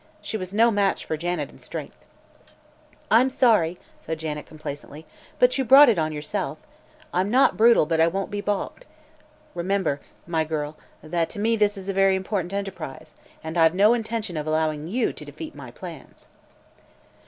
She was no match for Janet in strength. "I'm sorry," said Janet complacently, "but you brought it on yourself. I'm not brutal, but I won't be balked. Please remember, my girl, that to me this is a very important enterprise and I've no intention of allowing you to defeat my plans."